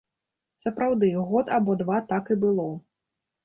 Сапраўды, год або два так і было.